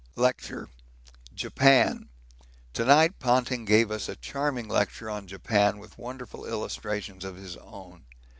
Lecture Japan. To night Ponting gave us a charming lecture on Japan with wonderful illustrations of his own.